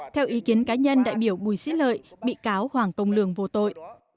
theo ý kiến cá nhân đại biểu bùi sĩ lợi bị cáo hoàng công lương vô tội